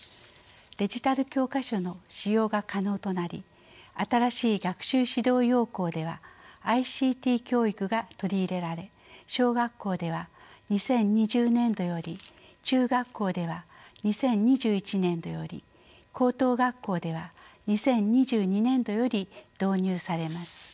デジタル教科書の使用が可能となり新しい学習指導要綱ではＩＣＴ教育が取り入れられ小学校では２０２０年度より中学校では２０２１年度より高等学校では２０２２年度より導入されます。